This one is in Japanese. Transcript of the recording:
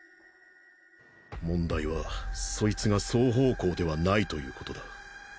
問題はそいつが双方向ではないという事だ。